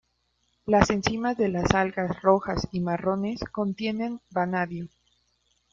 Las enzimas de las algas rojas y marrones contienen vanadio.